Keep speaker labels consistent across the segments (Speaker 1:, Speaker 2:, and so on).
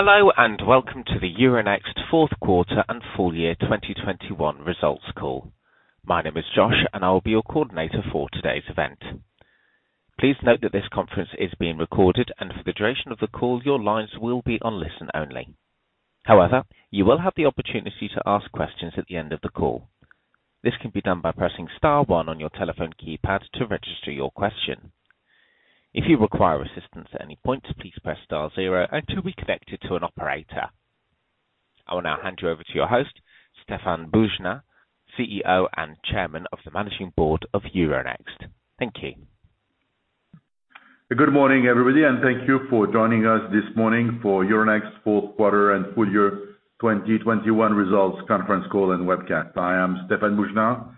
Speaker 1: Hello, and welcome to the Euronext fourth quarter and full year 2021 results call. My name is Josh, and I will be your coordinator for today's event. Please note that this conference is being recorded, and for the duration of the call, your lines will be on listen-only. However, you will have the opportunity to ask questions at the end of the call. This can be done by pressing star one on your telephone keypad to register your question. If you require assistance at any point, please press star zero and you'll be connected to an operator. I will now hand you over to your host, Stéphane Boujnah, CEO and Chairman of the Managing Board of Euronext. Thank you.
Speaker 2: Good morning, everybody, and thank you for joining us this morning for Euronext fourth quarter and full year 2021 results conference call and webcast. I am Stéphane Boujnah,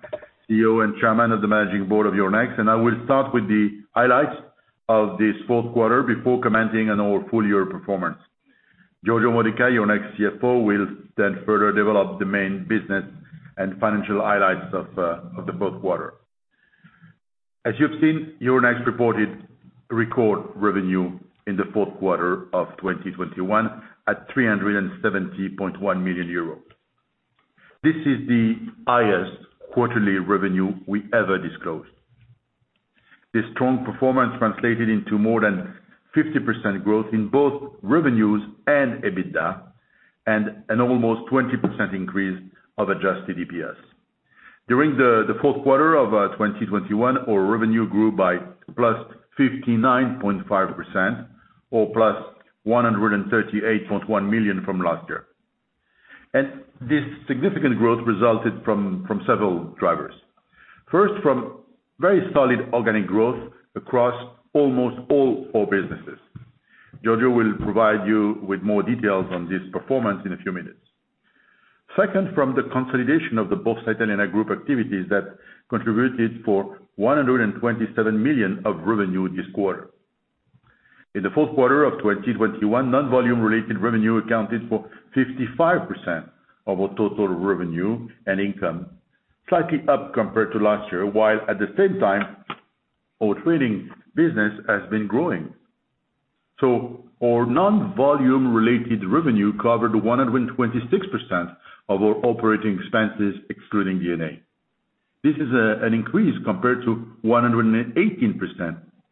Speaker 2: CEO and Chairman of the Managing Board of Euronext. I will start with the highlights of this fourth quarter before commenting on our full year performance. Giorgio Modica, Euronext CFO, will then further develop the main business and financial highlights of the fourth quarter. As you've seen, Euronext reported record revenue in the fourth quarter of 2021 at EUR 370.1 million. This is the highest quarterly revenue we ever disclosed. This strong performance translated into more than 50% growth in both revenues and EBITDA, and an almost 20% increase of adjusted EPS. During the fourth quarter of 2021, our revenue grew by +59.5% or +138.1 million from last year. This significant growth resulted from several drivers. First, from very solid organic growth across almost all our businesses. Giorgio will provide you with more details on this performance in a few minutes. Second, from the consolidation of the Borsa Italiana Group activities that contributed 127 million of revenue this quarter. In the fourth quarter of 2021, non-volume related revenue accounted for 55% of our total revenue and income, slightly up compared to last year. While at the same time, our trading business has been growing. Our non-volume related revenue covered 126% of our operating expenses excluding D&A. This is an increase compared to 118%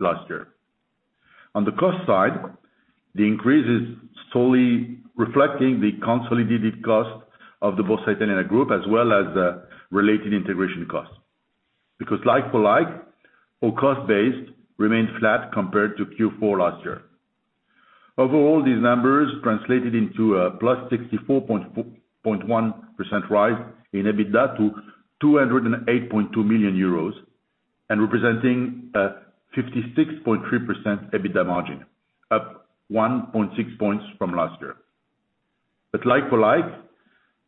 Speaker 2: last year. On the cost side, the increase is solely reflecting the consolidated cost of the Borsa Italiana Group, as well as the related integration costs. Because like for like, our cost base remained flat compared to Q4 last year. Overall, these numbers translated into a +64.1% rise in EBITDA to 208.2 million euros and representing a 56.3% EBITDA margin, up 1.6 points from last year. Like for like,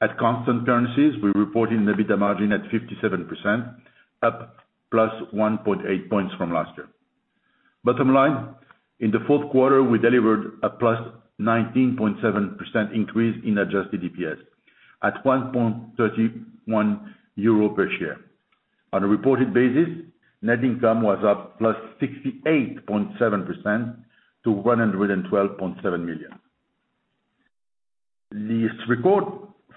Speaker 2: at constant currencies, we're reporting EBITDA margin at 57%, up +1.8 points from last year. Bottom line, in the fourth quarter, we delivered a +19.7% increase in adjusted EPS at 1.31 euro per share. On a reported basis, net income was up +68.7% to EUR 112.7 million. This record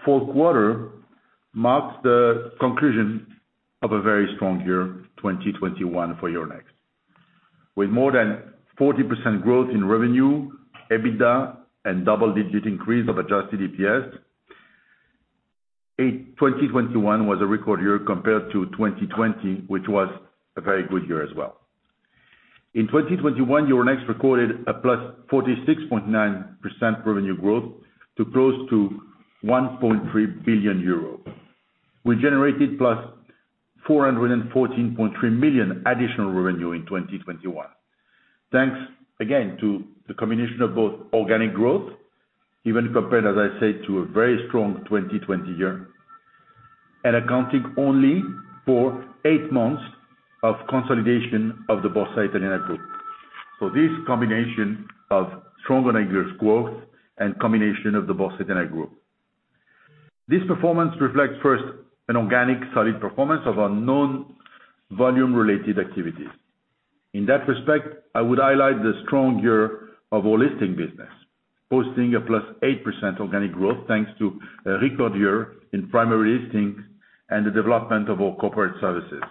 Speaker 2: fourth quarter marks the conclusion of a very strong year, 2021 for Euronext. With more than 40% growth in revenue, EBITDA, and double-digit increase of adjusted EPS, 2021 was a record year compared to 2020, which was a very good year as well. In 2021, Euronext recorded a +46.9% revenue growth to close to 1.3 billion euro. We generated +414.3 million additional revenue in 2021. Thanks again to the combination of both organic growth, even compared, as I said, to a very strong 2020 year, and accounting only for eight months of consolidation of the Borsa Italiana Group. This combination of strong organic growth and combination of the Borsa Italiana Group. This performance reflects first an organic solid performance of our non-volume related activities. In that respect, I would highlight the strong year of our listing business, posting a +8% organic growth, thanks to a record year in primary listings and the development of our corporate services.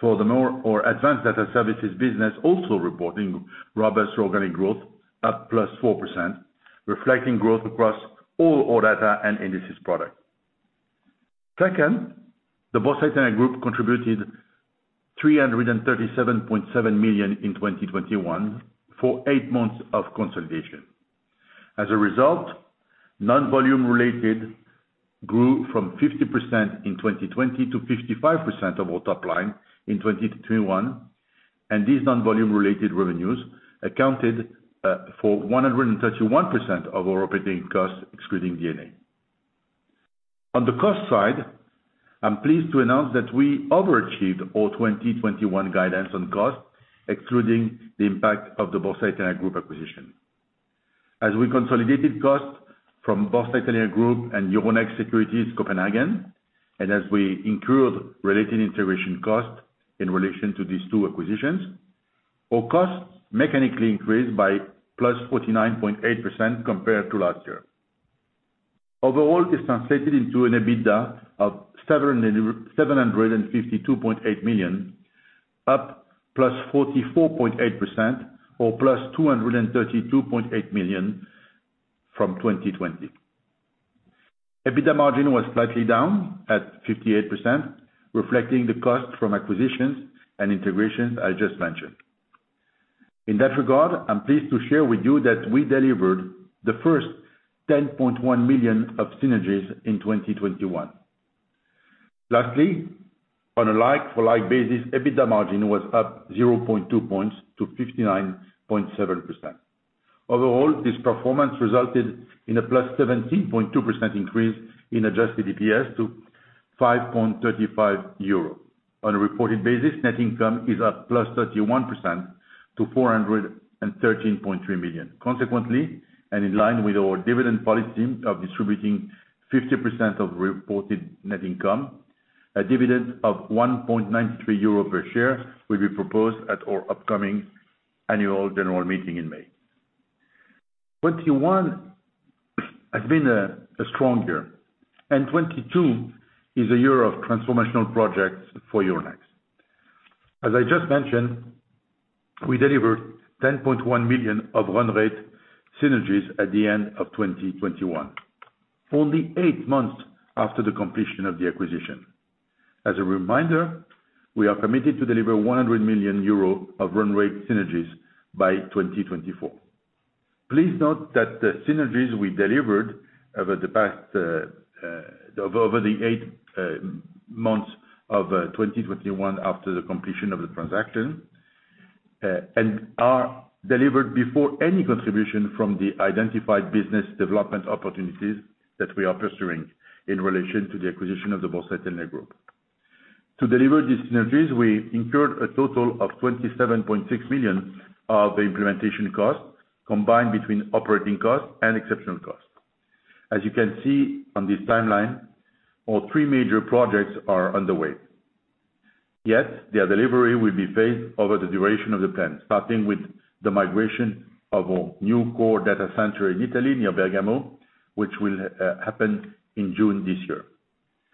Speaker 2: Furthermore, our advanced data services business also reporting robust organic growth, up +4%, reflecting growth across all our data and indices products. Second, the Borsa Italiana Group contributed 337.7 million in 2021 for eight months of consolidation. As a result, non-volume related grew from 50% in 2020 to 55% of our top line in 2021, and these non-volume related revenues accounted for 131% of our operating costs excluding D&A. On the cost side, I'm pleased to announce that we overachieved our 2021 guidance on costs, excluding the impact of the Borsa Italiana Group acquisition. As we consolidated costs from Borsa Italiana Group and Euronext Securities Copenhagen, and as we incurred related integration costs in relation to these two acquisitions, our costs mechanically increased by +49.8% compared to last year. Overall, this translated into an EBITDA of 752.8 million, up +44.8% or 232.8 million from 2020. EBITDA margin was slightly down at 58%, reflecting the cost from acquisitions and integrations I just mentioned. In that regard, I'm pleased to share with you that we delivered the first 10.1 million of synergies in 2021. Lastly, on a like-for-like basis, EBITDA margin was up 0.2 points to 59.7%. Overall, this performance resulted in a +17.2% increase in adjusted EPS to 5.35 euro. On a reported basis, net income is at +31% to 413.3 million. Consequently, in line with our dividend policy of distributing 50% of reported net income, a dividend of 1.93 euro per share will be proposed at our upcoming annual general meeting in May. 2021 has been a strong year, and 2022 is a year of transformational projects for Euronext. As I just mentioned, we delivered 10.1 million of run rate synergies at the end of 2021, only eight months after the completion of the acquisition. As a reminder, we are committed to deliver 100 million euro of run rate synergies by 2024. Please note that the synergies we delivered over the past eight months of 2021 after the completion of the transaction and are delivered before any contribution from the identified business development opportunities that we are pursuing in relation to the acquisition of the Borsa Italiana Group. To deliver these synergies, we incurred a total of 27.6 million of implementation costs, combined between operating costs and exceptional costs. As you can see on this timeline, our three major projects are underway, yet their delivery will be phased over the duration of the plan, starting with the migration of our new core data center in Italy, near Bergamo, which will happen in June this year.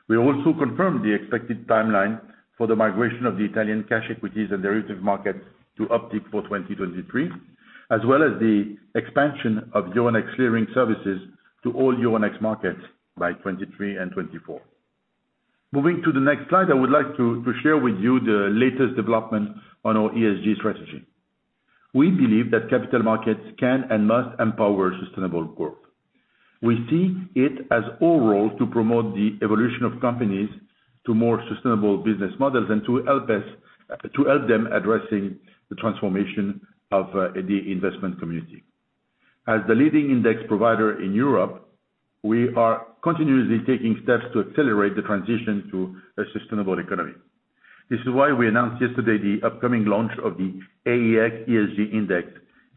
Speaker 2: We also confirmed the expected timeline for the migration of the Italian cash equities and derivative markets to Optiq for 2023, as well as the expansion of Euronext Clearing services to all Euronext markets by 2023 and 2024. Moving to the next slide, I would like to share with you the latest development on our ESG strategy. We believe that capital markets can and must empower sustainable growth. We see it as our role to promote the evolution of companies to more sustainable business models and to help them addressing the transformation of the investment community. As the leading index provider in Europe, we are continuously taking steps to accelerate the transition to a sustainable economy. This is why we announced yesterday the upcoming launch of the AEX ESG Index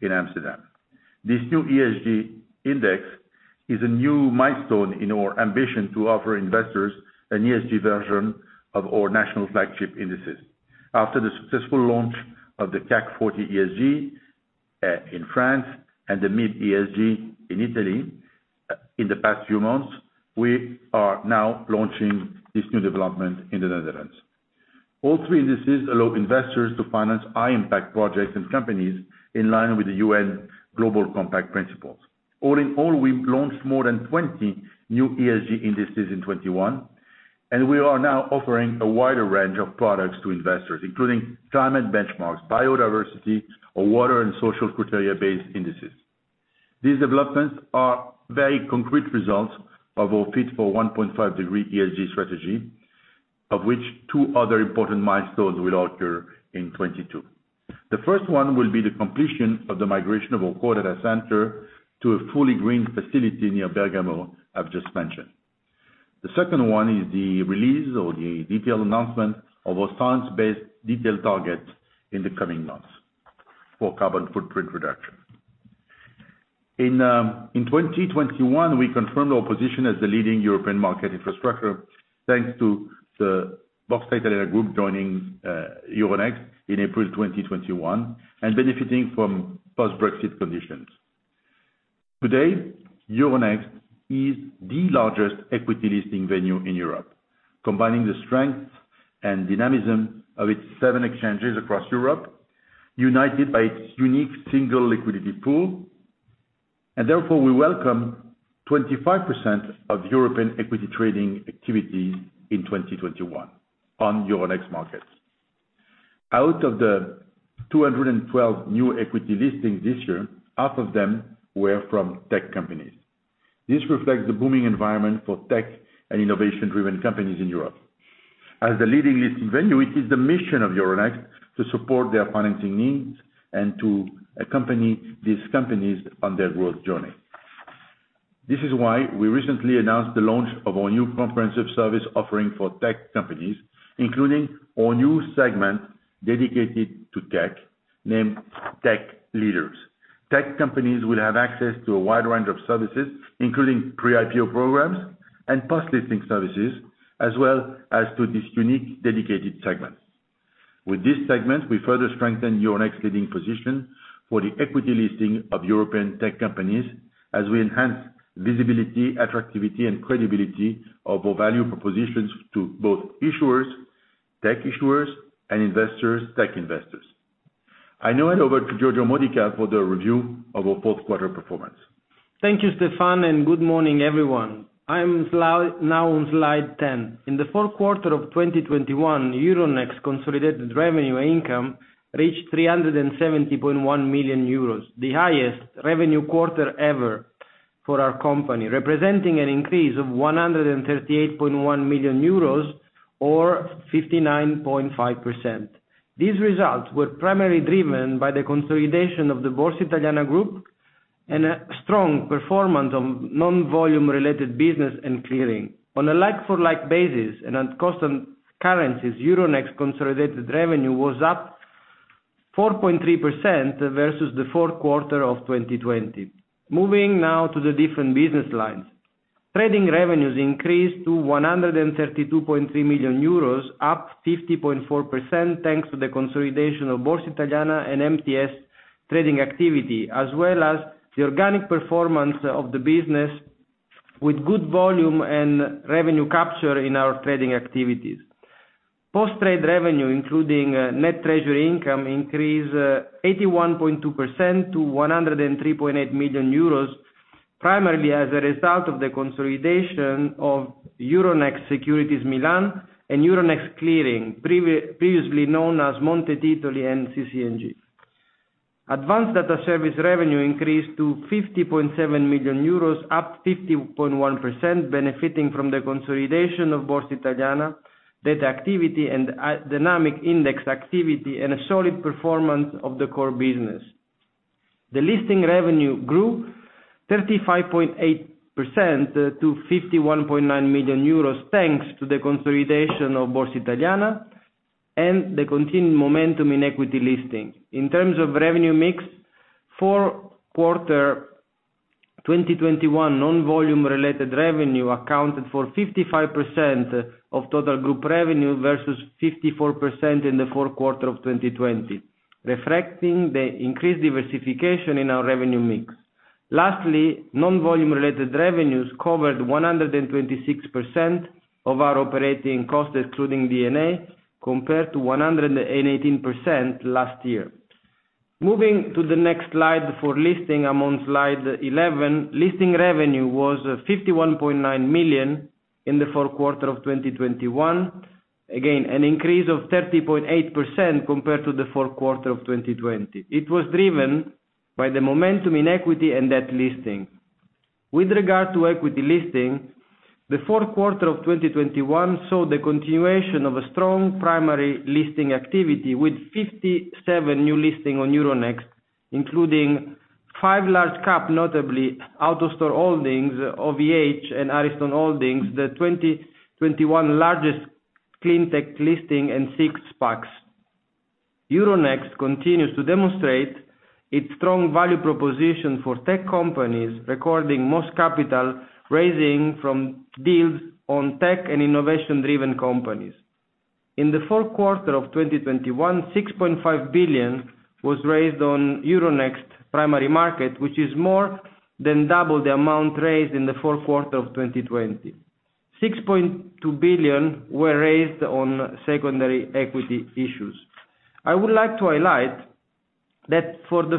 Speaker 2: in Amsterdam. This new ESG index is a new milestone in our ambition to offer investors an ESG version of our national flagship indices. After the successful launch of the CAC 40 ESG in France, and the MIB ESG in Italy in the past few months, we are now launching this new development in the Netherlands. All three indices allow investors to finance high-impact projects and companies in line with the UN Global Compact principles. All in all, we've launched more than 20 new ESG indices in 2021, and we are now offering a wider range of products to investors, including climate benchmarks, biodiversity or water and social criteria-based indices. These developments are very concrete results of our Fit for 1.5 degree ESG strategy, of which two other important milestones will occur in 2022. The first one will be the completion of the migration of our core data center to a fully green facility near Bergamo, I've just mentioned. The second one is the release or the detailed announcement of our science-based detailed targets in the coming months for carbon footprint reduction. In 2021, we confirmed our position as the leading European market infrastructure, thanks to the Borsa Italiana Group joining, Euronext in April 2021, and benefiting from post-Brexit conditions. Today, Euronext is the largest equity listing venue in Europe, combining the strength and dynamism of its seven exchanges across Europe, united by its unique single liquidity pool. Therefore, we welcome 25% of European equity trading activities in 2021 on Euronext markets. Out of the 212 new equity listings this year, half of them were from tech companies. This reflects the booming environment for tech and innovation-driven companies in Europe. As the leading listing venue, it is the mission of Euronext to support their financing needs and to accompany these companies on their growth journey. This is why we recently announced the launch of our new comprehensive service offering for tech companies, including our new segment dedicated to tech, named Tech Leaders. Tech companies will have access to a wide range of services, including pre-IPO programs and post-listing services, as well as to this unique dedicated segment. With this segment, we further strengthen Euronext's leading position for the equity listing of European tech companies, as we enhance visibility, activity, and credibility of our value propositions to both issuers, tech issuers, and investors, tech investors. I now hand over to Giorgio Modica for the review of our fourth quarter performance.
Speaker 3: Thank you, Stéphane, and good morning, everyone. I am now on slide 10. In the fourth quarter of 2021, Euronext consolidated revenue income reached 370.1 million euros, the highest revenue quarter ever for our company, representing an increase of 138.1 million euros or 59.5%. These results were primarily driven by the consolidation of the Borsa Italiana Group and a strong performance on non-volume related business and clearing. On a like for like basis and at constant currencies, Euronext consolidated revenue was up 4.3% versus the fourth quarter of 2020. Moving now to the different business lines. Trading revenues increased to 132.3 million euros, up 50.4%, thanks to the consolidation of Borsa Italiana and MTS trading activity, as well as the organic performance of the business with good volume and revenue capture in our trading activities. Post-trade revenue, including net treasury income, increased 81.2% to 103.8 million euros, primarily as a result of the consolidation of Euronext Securities Milan and Euronext Clearing, previously known as Monte Titoli and CC&G. Advanced data service revenue increased to 50.7 million euros, up 50.1%, benefiting from the consolidation of Borsa Italiana data activity and dynamic index activity, and a solid performance of the core business. Listing revenue grew 35.8% to 51.9 million euros, thanks to the consolidation of Borsa Italiana and the continued momentum in equity listing. In terms of revenue mix, fourth quarter 2021 non-volume related revenue accounted for 55% of total group revenue versus 54% in the fourth quarter of 2020, reflecting the increased diversification in our revenue mix. Lastly, non-volume related revenues covered 126% of our operating costs, excluding D&A, compared to 118% last year. Moving to the next slide for listing. I'm on slide 11. Listing revenue was 51.9 million in the fourth quarter of 2021. Again, an increase of 30.8% compared to the fourth quarter of 2020. It was driven by the momentum in equity and debt listing. With regard to equity listing, the fourth quarter of 2021 saw the continuation of a strong primary listing activity with 57 new listings on Euronext, including five large cap, notably AutoStore Holdings, OVHcloud, and Ariston Holding, the 2021 largest clean tech listing and six SPACs. Euronext continues to demonstrate its strong value proposition for tech companies, recording most capital raising from deals on tech and innovation-driven companies. In the fourth quarter of 2021, 6.5 billion was raised on Euronext primary market, which is more than double the amount raised in the fourth quarter of 2020. 6.2 billion were raised on secondary equity issues. I would like to highlight that for the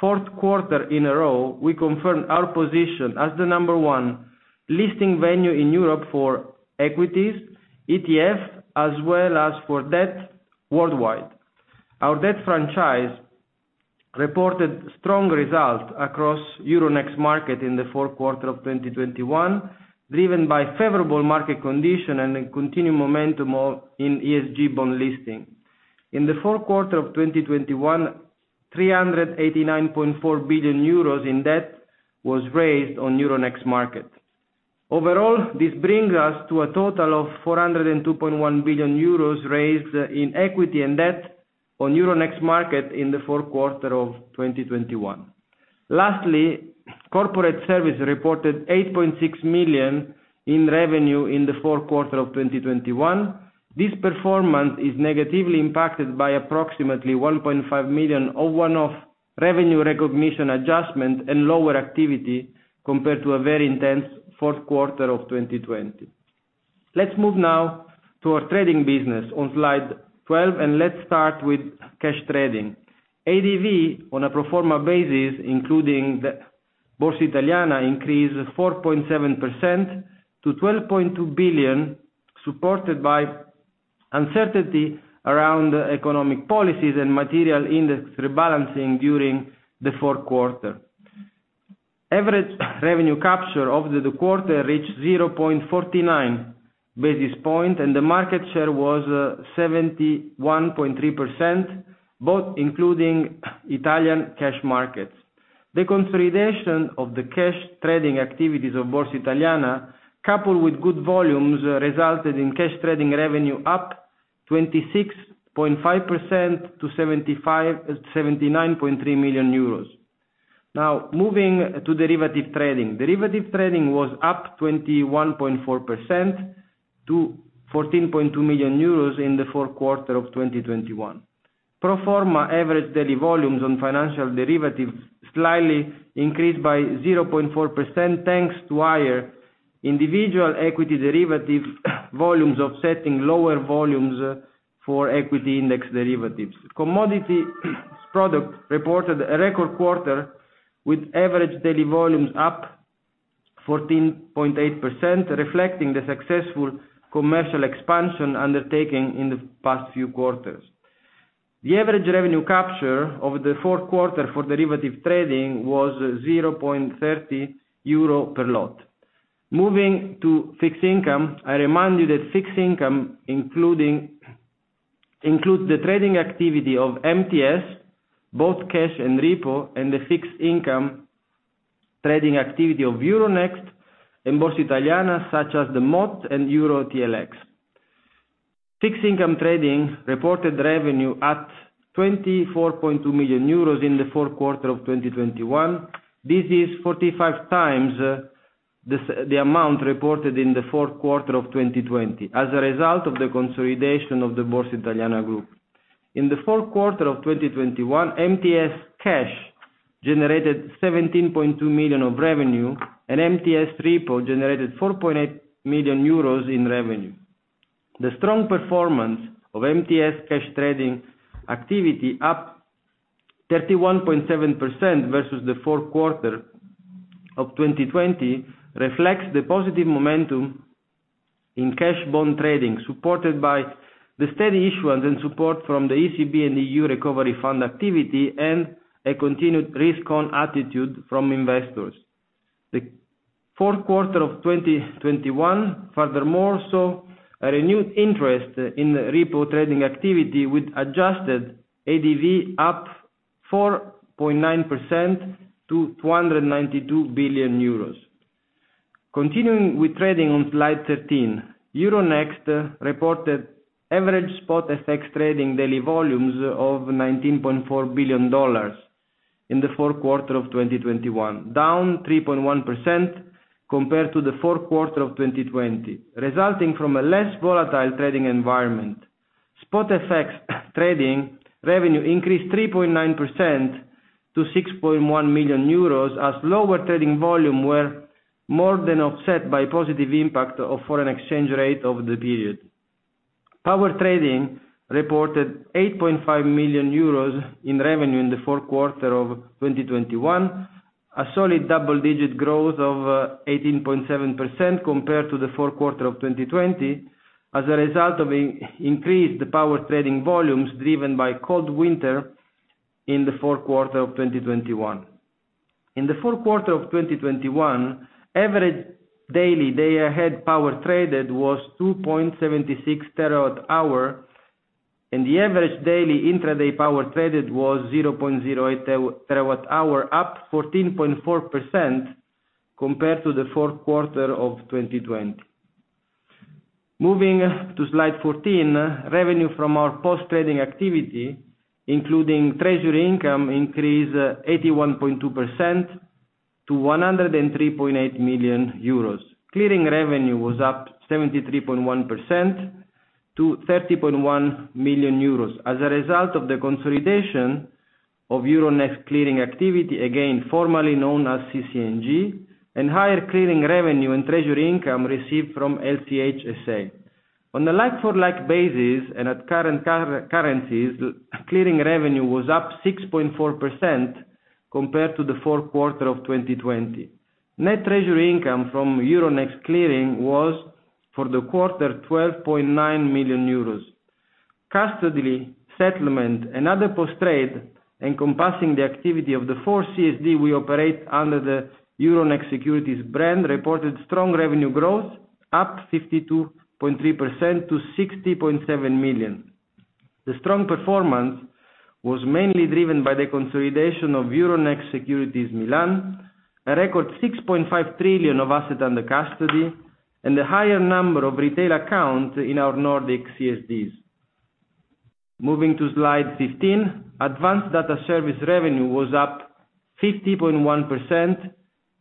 Speaker 3: fourth quarter in a row, we confirmed our position as the number one listing venue in Europe for equities, ETFs, as well as for debt worldwide. Our debt franchise reported strong results across Euronext market in the fourth quarter of 2021, driven by favorable market condition and a continued momentum in ESG bond listing. In the fourth quarter of 2021, 389.4 billion euros in debt was raised on Euronext market. Overall, this brings us to a total of 402.1 billion euros raised in equity and debt on Euronext market in the fourth quarter of 2021. Lastly, corporate service reported 8.6 million in revenue in the fourth quarter of 2021. This performance is negatively impacted by approximately 1.5 million of one-off revenue recognition adjustment and lower activity compared to a very intense fourth quarter of 2020. Let's move now to our trading business on slide 12, and let's start with cash trading. ADV on a pro forma basis, including the Borsa Italiana, increased 4.7% to 12.2 billion, supported by uncertainty around economic policies and material index rebalancing during the fourth quarter. Average revenue capture over the quarter reached 0.49 basis point, and the market share was 71.3%, both including Italian cash markets. The consolidation of the cash trading activities of Borsa Italiana, coupled with good volumes, resulted in cash trading revenue up 26.5% to 79.3 million euros. Now, moving to derivative trading. Derivative trading was up 21.4% to 14.2 million euros in the fourth quarter of 2021. Pro forma average daily volumes on financial derivatives slightly increased by 0.4% thanks to higher individual equity derivative volumes offsetting lower volumes for equity index derivatives. Commodity products reported a record quarter with average daily volumes up 14.8%, reflecting the successful commercial expansion undertaking in the past few quarters. The average revenue capture over the fourth quarter for derivative trading was 0.30 euro per lot. Moving to fixed income, I remind you that fixed income includes the trading activity of MTS, both cash and repo, and the fixed income trading activity of Euronext and Borsa Italiana, such as the MOT and EuroTLX. Fixed income trading reported revenue at 24.2 million euros in the fourth quarter of 2021. This is 45x the amount reported in the fourth quarter of 2020 as a result of the consolidation of the Borsa Italiana group. In the fourth quarter of 2021, MTS Cash generated 17.2 million of revenue, and MTS Repo generated 4.8 million euros in revenue. The strong performance of MTS Cash trading activity, up 31.7% versus the fourth quarter of 2020, reflects the positive momentum in cash bond trading, supported by the steady issuance and support from the ECB and EU Recovery Fund activity and a continued risk-on attitude from investors. The fourth quarter of 2021, furthermore, saw a renewed interest in repo trading activity with adjusted ADV up 4.9% to 292 billion euros. Continuing with trading on slide 13. Euronext reported average spot FX trading daily volumes of $19.4 billion in the fourth quarter of 2021, down 3.1% compared to the fourth quarter of 2020, resulting from a less volatile trading environment. Spot FX trading revenue increased 3.9% to 6.1 million euros as lower trading volumes were more than offset by positive impact of foreign exchange rate over the period. Power trading reported 8.5 million euros in revenue in the fourth quarter of 2021, a solid double-digit growth of 18.7% compared to the fourth quarter of 2020 as a result of increased power trading volumes driven by cold winter in the fourth quarter of 2021. In the fourth quarter of 2021, average daily day-ahead power traded was 2.76 TWh, and the average daily intraday power traded was 0.08 TWh, up 14.4% compared to the fourth quarter of 2020. Moving to slide 14, revenue from our post-trading activity, including treasury income, increased 81.2% to 103.8 million euros. Clearing revenue was up 73.1% to 30.1 million euros as a result of the consolidation of Euronext Clearing activity, again, formerly known as CC&G, and higher clearing revenue and treasury income received from LCH SA. On a like for like basis and at current currencies, clearing revenue was up 6.4% compared to the fourth quarter of 2020. Net treasury income from Euronext Clearing was, for the quarter, 12.9 million euros. Custody, settlement, and other post-trade encompassing the activity of the four CSDs we operate under the Euronext Securities brand reported strong revenue growth, up 52.3% to 60.7 million. The strong performance was mainly driven by the consolidation of Euronext Securities Milan, a record 6.5 trillion of assets under custody, and the higher number of retail accounts in our Nordic CSDs. Moving to slide 15, advanced data service revenue was up 50.1%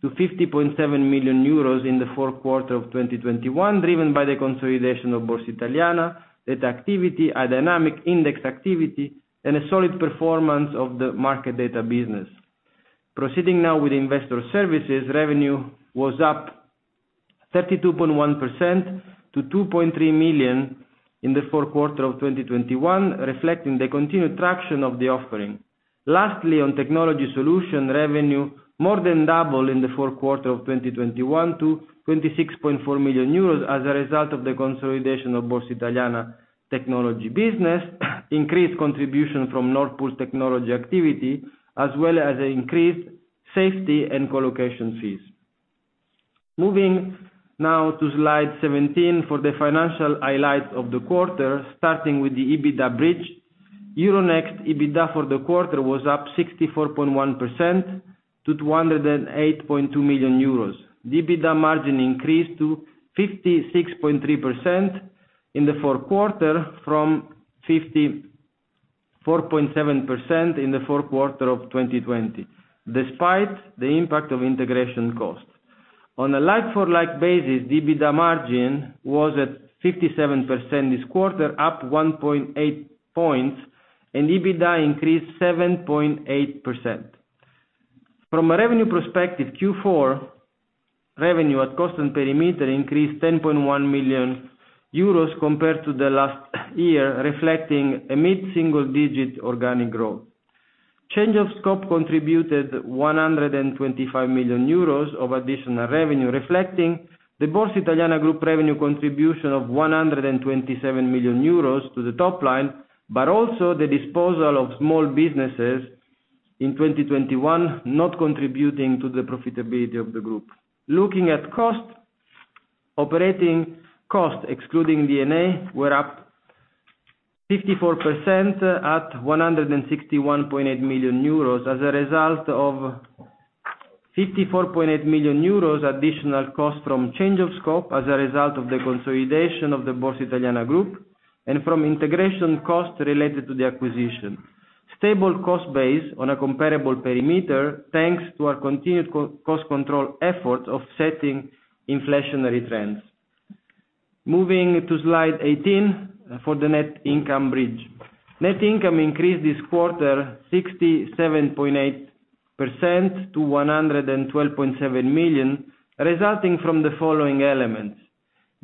Speaker 3: to 50.7 million euros in the fourth quarter of 2021, driven by the consolidation of Borsa Italiana data activity, a dynamic index activity, and a solid performance of the market data business. Proceeding now with investor services, revenue was up 32.1% to 2.3 million in the fourth quarter of 2021, reflecting the continued traction of the offering. Lastly, on technology solutions, revenue more than doubled in the fourth quarter of 2021 to 26.4 million euros as a result of the consolidation of Borsa Italiana technology business, increased contribution from Nord Pool's technology activity, as well as an increase in SaaS and colocation fees. Moving now to slide 17 for the financial highlights of the quarter, starting with the EBITDA bridge. Euronext EBITDA for the quarter was up 64.1% to 208.2 million euros. The EBITDA margin increased to 56.3% in the fourth quarter from 54.7% in the fourth quarter of 2020, despite the impact of integration costs. On a like-for-like basis, the EBITDA margin was at 57% this quarter, up 1.8 points, and EBITDA increased 7.8%. From a revenue perspective, Q4 revenue at constant perimeter increased 10.1 million euros compared to last year, reflecting mid-single-digit organic growth. Change of scope contributed 125 million euros of additional revenue, reflecting the Borsa Italiana Group revenue contribution of 127 million euros to the top line, but also the disposal of small businesses in 2021 not contributing to the profitability of the group. Looking at cost, operating costs excluding D&A were up 54% at 161.8 million euros as a result of 54.8 million euros additional cost from change of scope as a result of the consolidation of the Borsa Italiana Group and from integration costs related to the acquisition. Stable cost base on a comparable perimeter, thanks to our continued cost control efforts offsetting inflationary trends. Moving to slide 18 for the net income bridge. Net income increased this quarter 67.8% to 112.7 million, resulting from the following elements.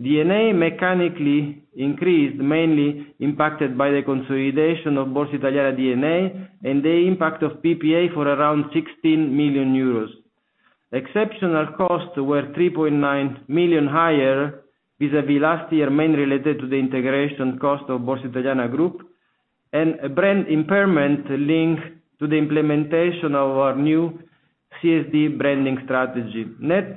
Speaker 3: D&A mechanically increased, mainly impacted by the consolidation of Borsa Italiana D&A and the impact of PPA for around 16 million euros. Exceptional costs were 3.9 million higher vis-à-vis last year, mainly related to the integration cost of Borsa Italiana Group and a brand impairment linked to the implementation of our new CSD branding strategy. Net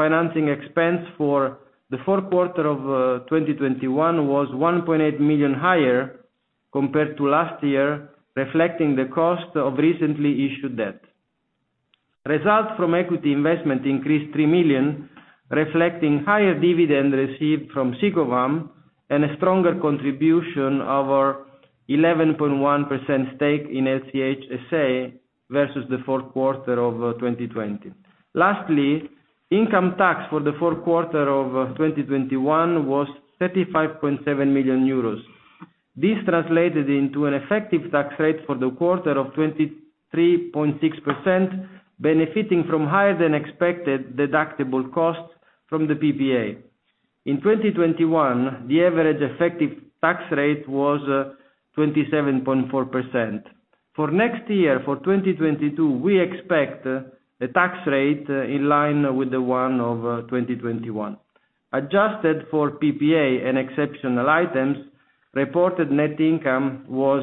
Speaker 3: financing expense for the fourth quarter of 2021 was 1.8 million higher compared to last year, reflecting the cost of recently issued debt. Results from equity investment increased 3 million, reflecting higher dividend received from Sicovam and a stronger contribution of our 11.1% stake in LCH SA versus the fourth quarter of 2020. Lastly, income tax for the fourth quarter of 2021 was 35.7 million euros. This translated into an effective tax rate for the quarter of 23.6%, benefiting from higher than expected deductible costs from the PPA. In 2021, the average effective tax rate was 27.4%. For next year, for 2022, we expect a tax rate in line with the one of 2021. Adjusted for PPA and exceptional items, reported net income was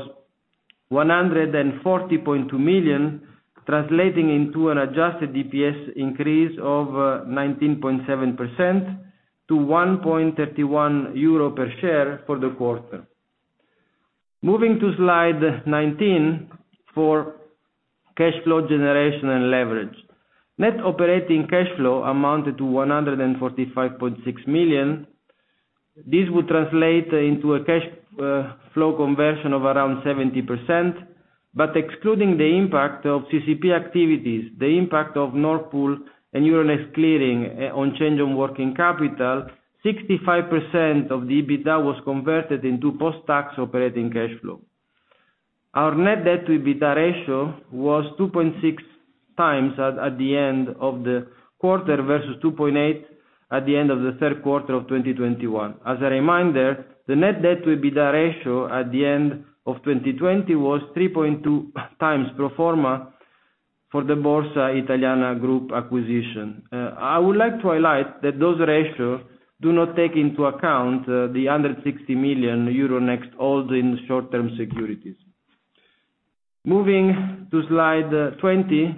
Speaker 3: 140.2 million, translating into an adjusted DPS increase of 19.7% to 1.31 euro per share for the quarter. Moving to slide 19 for cash flow generation and leverage. Net operating cash flow amounted to 145.6 million. This would translate into a cash flow conversion of around 70%. Excluding the impact of CCP activities, the impact of Nord Pool and Euronext Clearing on change in working capital, 65% of the EBITDA was converted into post-tax operating cash flow. Our net debt to EBITDA ratio was 2.6x at the end of the quarter versus 2.8x at the end of the third quarter of 2021. As a reminder, the net debt to EBITDA ratio at the end of 2020 was 3.2x pro forma for the Borsa Italiana Group acquisition. I would like to highlight that those ratios do not take into account the under 60 million Euronext own short-term securities. Moving to slide 20,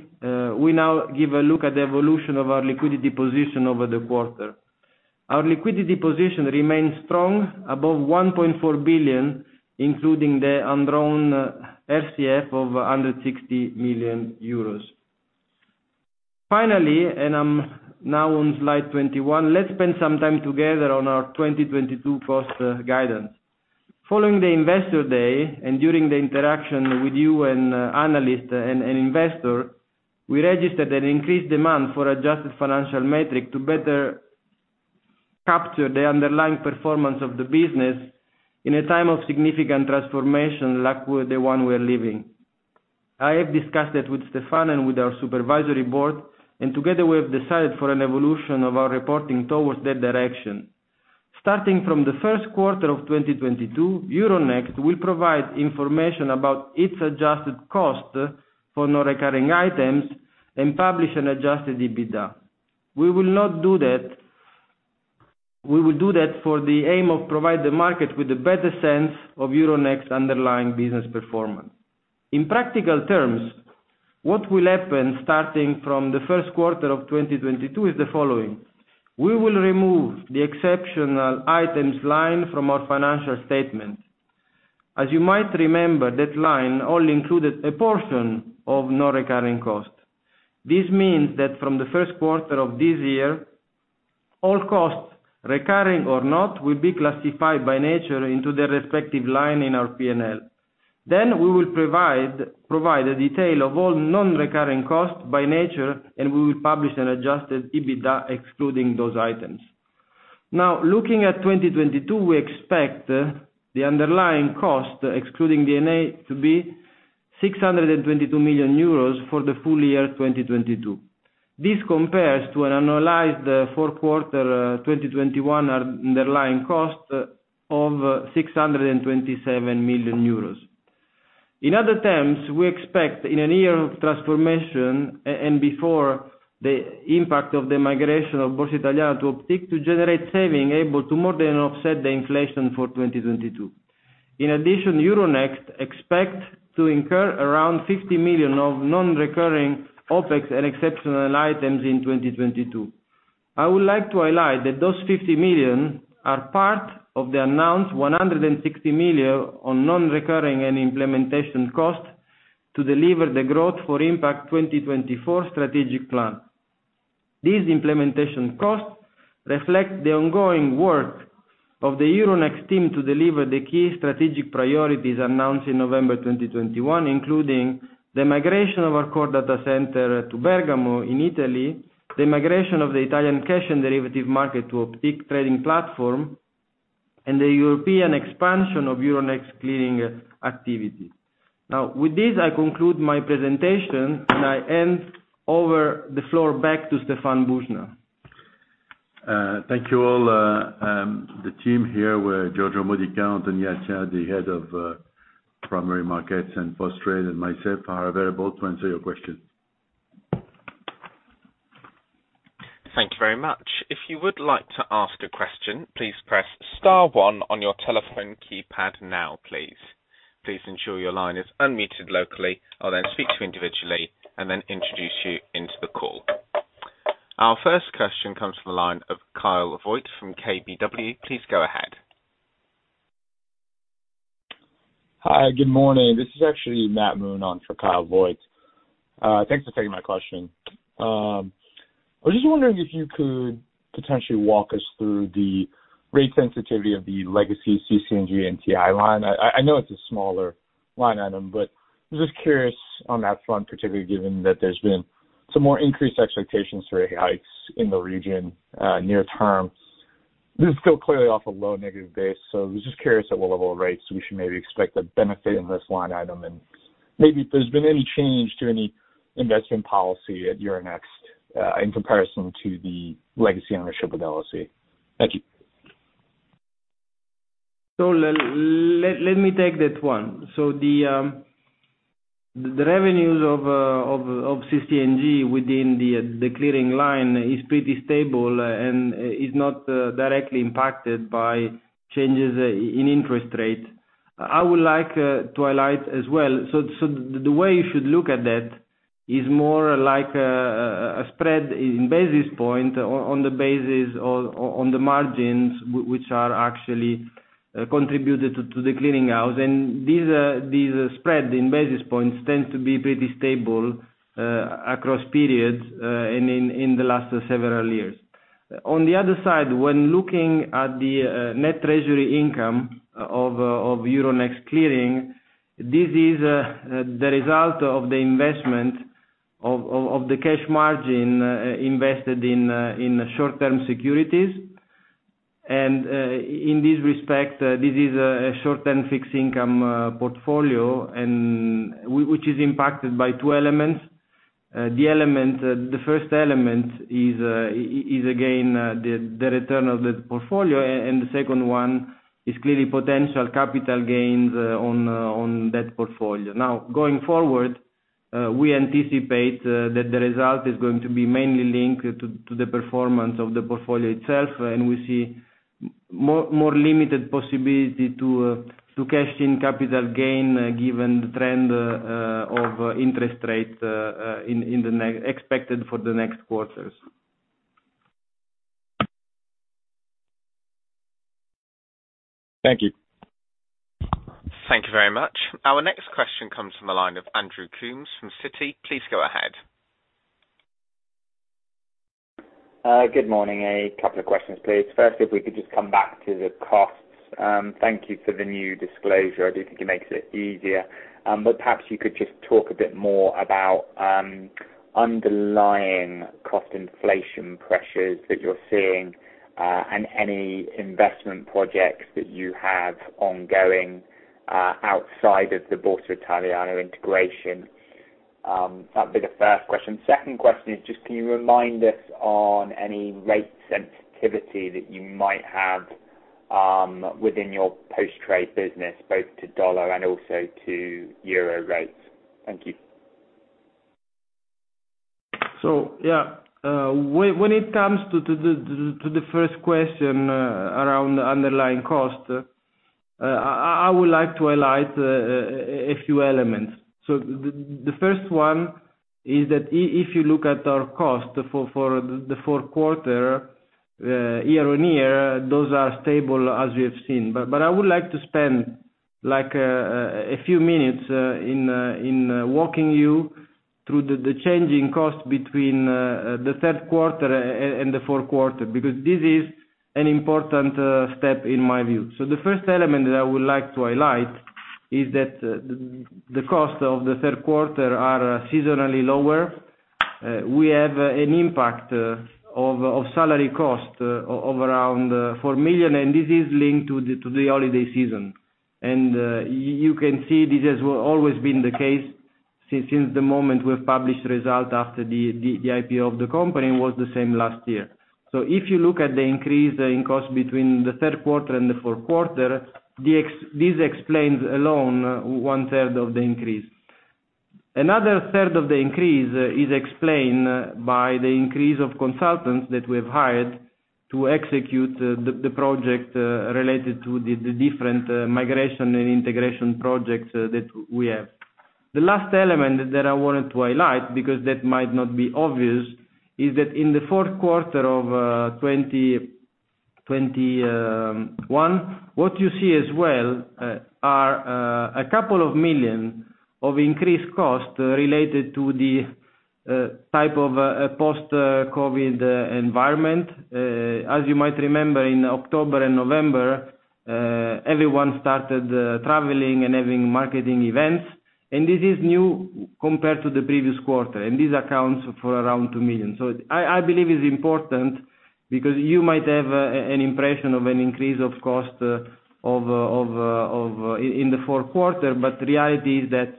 Speaker 3: we now give a look at the evolution of our liquidity position over the quarter. Our liquidity position remains strong above 1.4 billion, including the undrawn RCF of under 60 million euros. Finally, I'm now on slide 21, let's spend some time together on our 2022 post guidance. Following the Investor Day and during the interaction with you and analysts and investors, we registered an increased demand for adjusted financial metrics to better capture the underlying performance of the business in a time of significant transformation like the one we're living. I have discussed that with Stéphane and with our supervisory board, and together we have decided for an evolution of our reporting towards that direction. Starting from the first quarter of 2022, Euronext will provide information about its adjusted costs for non-recurring items and publish an adjusted EBITDA. We will do that for the aim of providing the market with a better sense of Euronext's underlying business performance. In practical terms, what will happen starting from the first quarter of 2022 is the following. We will remove the exceptional items line from our financial statement. As you might remember, that line only included a portion of non-recurring costs. This means that from the first quarter of this year, all costs, recurring or not, will be classified by nature into their respective line in our P&L. We will provide a detail of all non-recurring costs by nature, and we will publish an adjusted EBITDA excluding those items. Now, looking at 2022, we expect the underlying cost, excluding D&A, to be 622 million euros for the full year 2022. This compares to an annualized fourth quarter 2021 underlying cost of 627 million euros. In other terms, we expect in a year of transformation and before the impact of the migration of Borsa Italiana to Optiq to generate savings able to more than offset the inflation for 2022. In addition, Euronext expect to incur around 50 million of non-recurring OpEx and exceptional items in 2022. I would like to highlight that those 50 million are part of the announced 160 million of non-recurring and implementation costs to deliver the Growth for Impact 2024 strategic plan. These implementation costs reflect the ongoing work of the Euronext team to deliver the key strategic priorities announced in November 2021, including the migration of our core data center to Bergamo in Italy, the migration of the Italian cash and derivative market to Optiq trading platform, and the European expansion of Euronext clearing activity. Now, with this, I conclude my presentation, and I hand over the floor back to Stéphane Boujnah.
Speaker 2: Thank you all. The team here with Giorgio Modica, Anthony Attia, the head of primary markets and post trade, and myself are available to answer your questions.
Speaker 1: Thank you very much. If you would like to ask a question, please press star one on your telephone keypad now, please. Please ensure your line is unmuted locally. I'll then speak to you individually and then introduce you into the call. Our first question comes from the line of Kyle Voigt from KBW. Please go ahead.
Speaker 4: Hi. Good morning. This is actually Matt Moon on for Kyle Voigt. Thanks for taking my question. I was just wondering if you could potentially walk us through the rate sensitivity of the legacy CC&G and TI line. I know it's a smaller line item, but I'm just curious on that front, particularly given that there's been some more increased expectations for rate hikes in the region near term. This is still clearly off a low negative base, so I was just curious at what level of rates we should maybe expect to benefit in this line item and maybe if there's been any change to any investment policy at Euronext in comparison to the legacy ownership of LSE. Thank you.
Speaker 3: Let me take that one. The revenues of CC&G within the clearing line is pretty stable and is not directly impacted by changes in interest rate. I would like to highlight as well. The way you should look at that is more like a spread in basis points on the basis or on the margins which are actually contributed to the clearing house. These spreads in basis points tend to be pretty stable across periods and in the last several years. On the other side, when looking at the net treasury income of Euronext Clearing, this is the result of the investment of the cash margin invested in short-term securities. In this respect, this is a short-term fixed income portfolio which is impacted by two elements. The first element is again the return of the portfolio, and the second one is clearly potential capital gains on that portfolio. Now, going forward, we anticipate that the result is going to be mainly linked to the performance of the portfolio itself, and we see more limited possibility to cash in capital gain given the trend of interest rates expected for the next quarters.
Speaker 4: Thank you.
Speaker 1: Thank you very much. Our next question comes from the line of Andrew Coombs from Citi. Please go ahead.
Speaker 5: Good morning. A couple of questions, please. First, if we could just come back to the costs. Thank you for the new disclosure. I do think it makes it easier. Perhaps you could just talk a bit more about underlying cost inflation pressures that you're seeing, and any investment projects that you have ongoing, outside of the Borsa Italiana integration. That'd be the first question. Second question is just can you remind us on any rate sensitivity that you might have, within your Post Trade business, both to dollar and also to euro rates? Thank you.
Speaker 3: When it comes to the first question around underlying cost, I would like to highlight a few elements. The first one is that if you look at our cost for the fourth quarter year-on-year, those are stable as we have seen. I would like to spend like a few minutes in walking you through the changing cost between the third quarter and the fourth quarter, because this is an important step in my view. The first element that I would like to highlight is that the cost of the third quarter are seasonally lower. We have an impact of salary cost of around 4 million, and this is linked to the holiday season. You can see this has always been the case since the moment we've published result after the IPO of the company was the same last year. If you look at the increase in cost between the third quarter and the fourth quarter, this explains alone one third of the increase. Another third of the increase is explained by the increase of consultants that we've hired to execute the project related to the different migration and integration projects that we have. The last element that I wanted to highlight, because that might not be obvious, is that in the fourth quarter of 2021, what you see as well are a couple of million of increased cost related to the type of post-COVID environment. As you might remember, in October and November, everyone started traveling and having marketing events, and this is new compared to the previous quarter, and this accounts for around 2 million. I believe it's important because you might have an impression of an increase in costs in the fourth quarter, but reality is that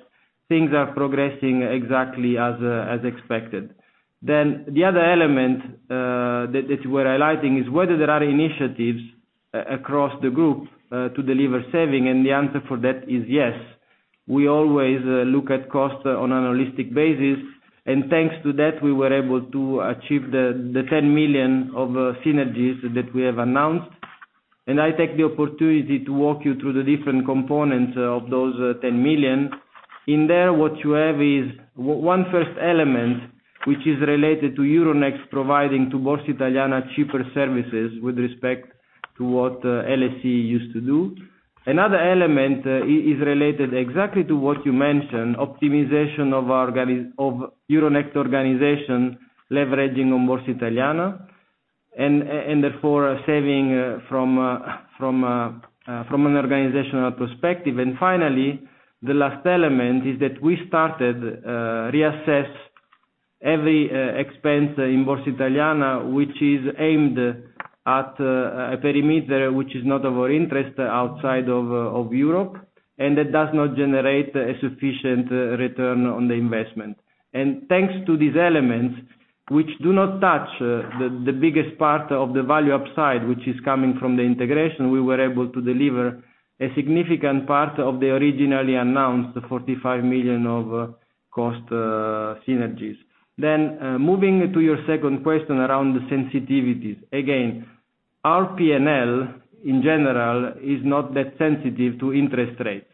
Speaker 3: things are progressing exactly as expected. The other element that you were highlighting is whether there are initiatives across the group to deliver savings, and the answer for that is yes. We always look at costs on a holistic basis, and thanks to that, we were able to achieve the 10 million of synergies that we have announced. I take the opportunity to walk you through the different components of those 10 million. In there, what you have is one first element, which is related to Euronext providing to Borsa Italiana cheaper services with respect to what LSE used to do. Another element is related exactly to what you mentioned, optimization of Euronext organization, leveraging on Borsa Italiana, and therefore a saving from an organizational perspective. Finally, the last element is that we started to reassess every expense in Borsa Italiana, which is aimed at a perimeter which is not of our interest outside of Europe, and that does not generate a sufficient return on the investment. Thanks to these elements, which do not touch the biggest part of the value upside, which is coming from the integration, we were able to deliver a significant part of the originally announced 45 million of cost synergies. Moving to your second question around the sensitivities. Again, our P&L in general is not that sensitive to interest rates.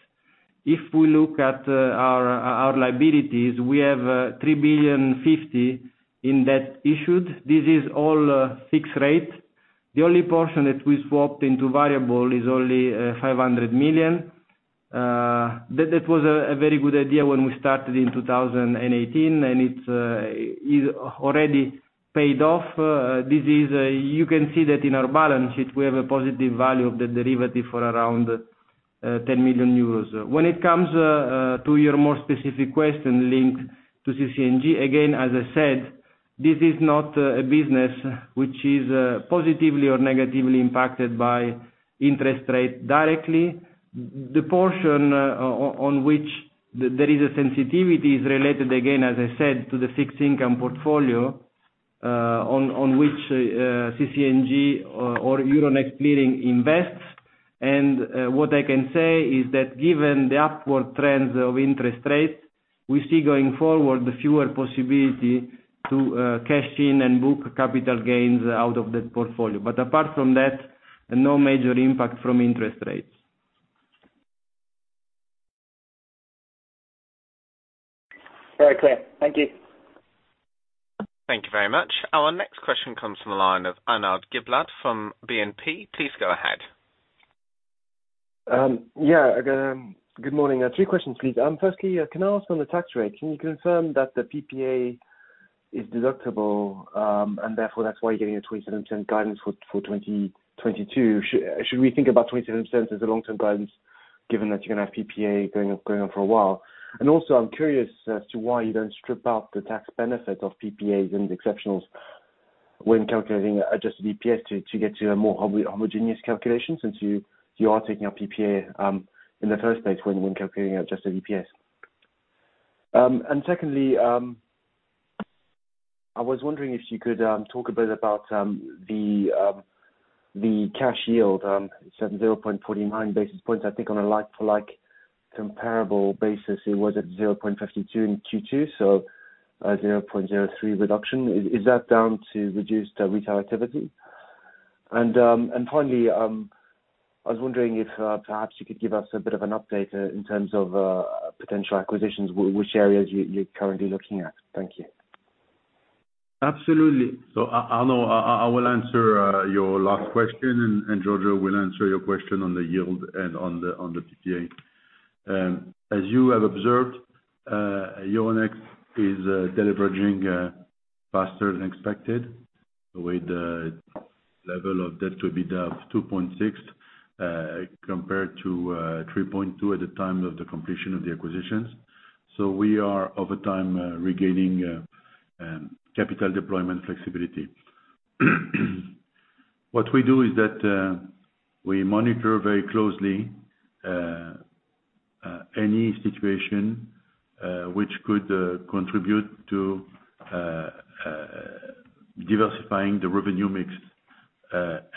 Speaker 3: If we look at our liabilities, we have 3.05 billion in debt issued. This is all fixed rate. The only portion that we swapped into variable is only 500 million. That was a very good idea when we started in 2018, and it's already paid off. You can see that in our balance sheet, we have a positive value of the derivative for around 10 million euros. When it comes to your more specific question linked to CC&G, again, as I said, this is not a business which is positively or negatively impacted by interest rate directly. The portion on which there is a sensitivity is related, again, as I said, to the fixed income portfolio, on which CC&G or Euronext Clearing invests. What I can say is that given the upward trends of interest rates, we see going forward the fewer possibility to cash in and book capital gains out of that portfolio. Apart from that, no major impact from interest rates.
Speaker 5: Very clear. Thank you.
Speaker 1: Thank you very much. Our next question comes from the line of Arnaud Giblat from BNP. Please go ahead.
Speaker 6: Yeah. Again, good morning. Three questions, please. Firstly, can I ask on the tax rate, can you confirm that the PPA is deductible, and therefore that's why you're getting a 0.27 guidance for 2022? Should we think about 0.27 as a long-term guidance given that you're gonna have PPA going on for a while? And also, I'm curious as to why you don't strip out the tax benefit of PPAs and exceptionals when calculating adjusted EPS to get to a more homogeneous calculation since you are taking up PPA in the first place when calculating adjusted EPS. And secondly, I was wondering if you could talk a bit about the cash yield, it's at 0.49 basis points. I think on a like-to-like comparable basis, it was at 0.52 in Q2, so a 0.03 reduction. Is that down to reduced retail activity? Finally, I was wondering if perhaps you could give us a bit of an update in terms of potential acquisitions, which areas you're currently looking at. Thank you.
Speaker 2: Absolutely. Arnaud, I will answer your last question, and Giorgio will answer your question on the yield and on the PPA. As you have observed, Euronext is deleveraging faster than expected with the level of debt to EBITDA of 2.6x compared to 3.2x at the time of the completion of the acquisitions. We are, over time, regaining capital deployment flexibility. What we do is that we monitor very closely any situation which could contribute to diversifying the revenue mix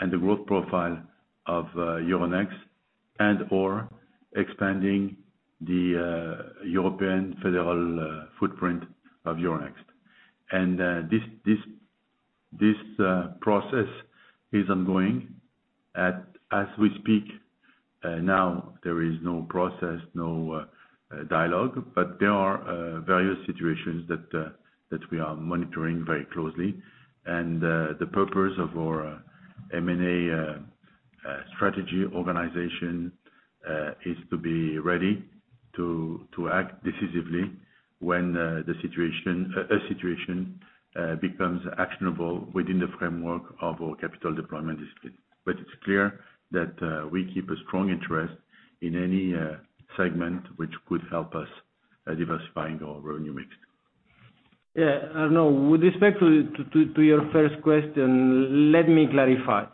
Speaker 2: and the growth profile of Euronext and/or expanding the European footprint of Euronext. This process is ongoing. As we speak now, there is no process, no dialogue, but there are various situations that we are monitoring very closely. The purpose of our M&A strategy organization is to be ready to act decisively when a situation becomes actionable within the framework of our capital deployment discipline. It's clear that we keep a strong interest in any segment which could help us diversifying our revenue mix.
Speaker 3: Yeah. Arnaud, with respect to your first question, let me clarify.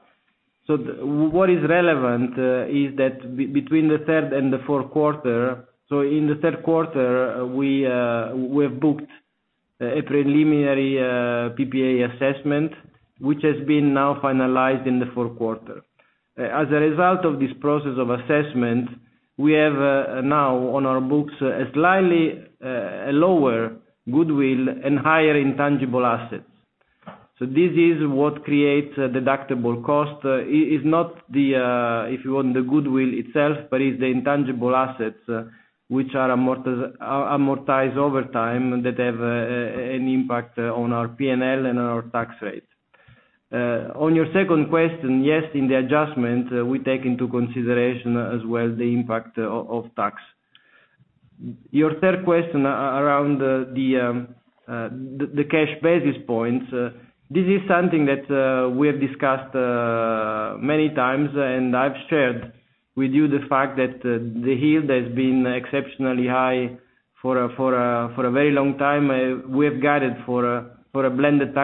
Speaker 3: What is relevant is that between the third and the fourth quarter. In the third quarter, we have booked a preliminary PPA assessment, which has been now finalized in the fourth quarter. As a result of this process of assessment, we have now on our books a slightly lower goodwill and higher intangible assets. This is what creates deductible cost. It's not the, if you want, the goodwill itself, but it's the intangible assets which are amortized over time that have an impact on our P&L and on our tax rate. On your second question, yes, in the adjustment, we take into consideration as well the impact of tax. Your third question around the cash basis points, this is something that we have discussed many times, and I've shared with you the fact that the yield has been exceptionally high for a very long time. We have guided for a blended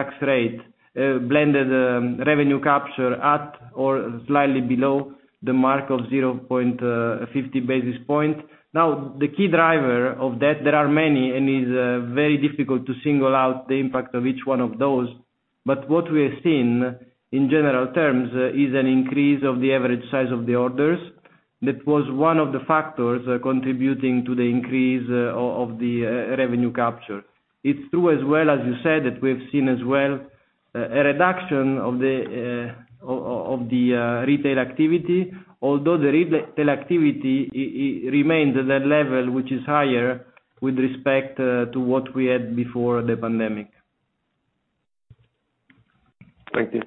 Speaker 3: revenue capture at or slightly below the mark of 0.50 basis point. Now, the key driver of that, there are many, and it is very difficult to single out the impact of each one of those. What we have seen, in general terms, is an increase of the average size of the orders. That was one of the factors contributing to the increase of the revenue capture. It's true as well, as you said, that we have seen as well a reduction of the of the retail activity. Although the retail activity remains at a level which is higher with respect to what we had before the pandemic.
Speaker 6: Thank you.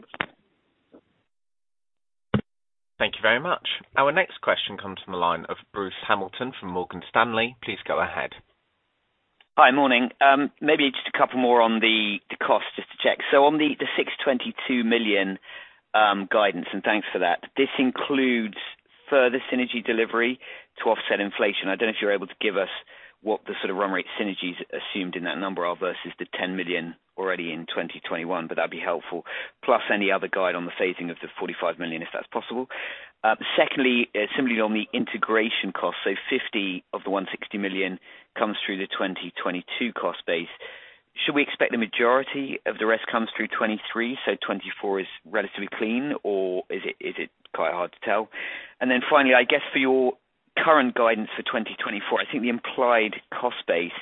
Speaker 1: Thank you very much. Our next question comes from a line of Bruce Hamilton from Morgan Stanley. Please go ahead.
Speaker 7: Hi. Morning. Maybe just a couple more on the cost, just to check. On the 622 million guidance, and thanks for that, this includes further synergy delivery to offset inflation. I don't know if you're able to give us what the sort of run rate synergies assumed in that number are versus the 10 million already in 2021, but that'd be helpful. Plus any other guide on the phasing of the 45 million, if that's possible. Second, simply on the integration cost. 50 of the 160 million comes through the 2022 cost base. Should we expect the majority of the rest comes through 2023, 2024 is relatively clean, or is it quite hard to tell? Then finally, I guess for your current guidance for 2024, I think the implied cost base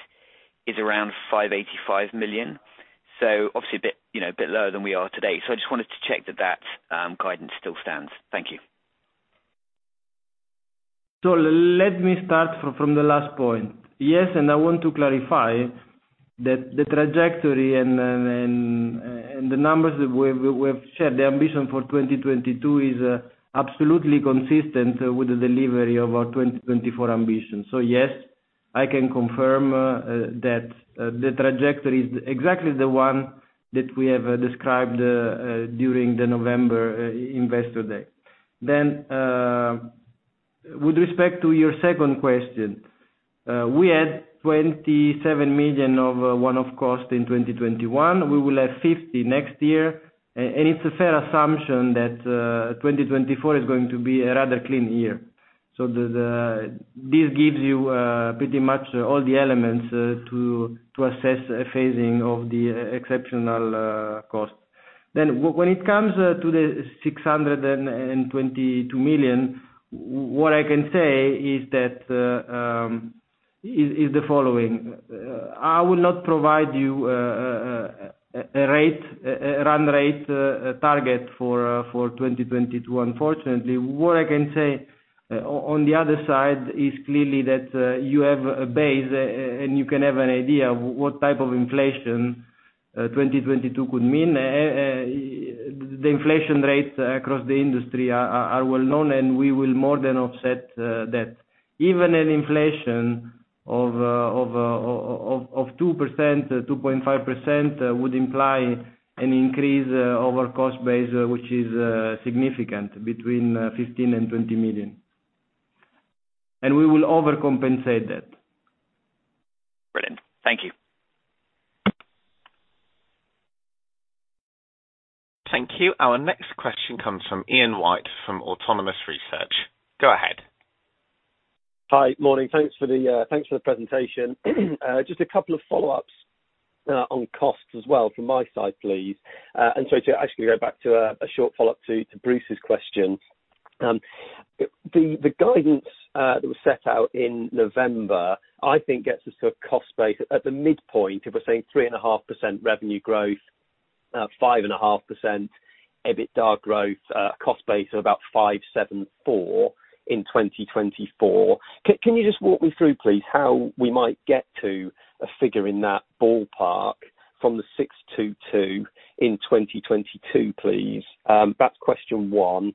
Speaker 7: is around 585 million. Obviously a bit, you know, a bit lower than we are today. I just wanted to check that that guidance still stands. Thank you.
Speaker 3: Let me start from the last point. Yes, I want to clarify that the trajectory and the numbers that we've shared, the ambition for 2022 is absolutely consistent with the delivery of our 2024 ambition. Yes, I can confirm that the trajectory is exactly the one that we have described during the November Investor Day. With respect to your second question, we had 27 million of one-off cost in 2021. We will have 50 million next year. It's a fair assumption that 2024 is going to be a rather clean year. This gives you pretty much all the elements to assess a phasing of the exceptional cost. When it comes to 622 million, what I can say is the following. I will not provide you a run rate target for 2022, unfortunately. What I can say on the other side is clearly that you have a base and you can have an idea of what type of inflation 2022 could mean. The inflation rates across the industry are well known, and we will more than offset that. Even an inflation of 2%, 2.5% would imply an increase over cost base, which is significant between 15 million and 20 million. We will overcompensate that.
Speaker 7: Brilliant. Thank you.
Speaker 1: Thank you. Our next question comes from Ian White from Autonomous Research. Go ahead.
Speaker 8: Hi. Morning. Thanks for the presentation. Just a couple of follow-ups on costs as well from my side, please. Sorry, to actually go back to a short follow-up to Bruce's question. The guidance that was set out in November, I think gets us to a cost base. At the midpoint, it was saying 3.5% revenue growth, 5.5% EBITDA growth, cost base of about 574 in 2024. Can you just walk me through, please, how we might get to a figure in that ballpark from the 622 in 2022, please? That's question one.